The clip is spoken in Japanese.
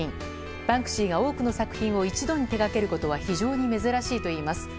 バンクシーが多くの作品を一度に手掛けることは非常に珍しいといいます。